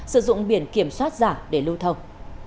sử dụng biển kiểm soát giả để lưu thông